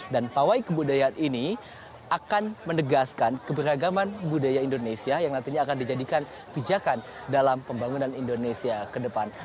dan pawai kebudayaan ini akan menegaskan keberagaman budaya indonesia yang nantinya akan dijadikan bijakan dalam pembangunan indonesia ke depan